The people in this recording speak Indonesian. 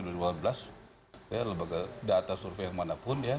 ya berbagai data survei yang mana pun ya